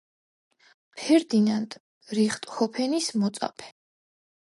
ფერდინანდ რიხტჰოფენის მოწაფე.